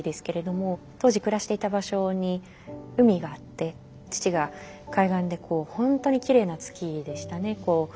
当時暮らしていた場所に海があって父が海岸でこう本当にきれいな月でしたね。